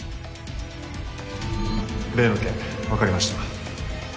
例の件分かりました。